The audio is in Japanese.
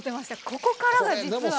ここからが実は。